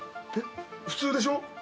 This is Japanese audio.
普通でしょ？